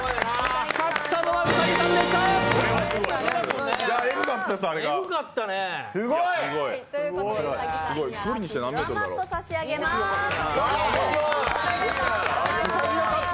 勝ったのは兎さんでした。